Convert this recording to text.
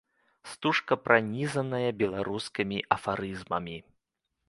Стужка пранізаная беларускімі афарызмамі.